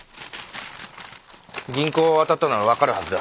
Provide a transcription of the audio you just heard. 銀行を当たったなら分かるはずだ。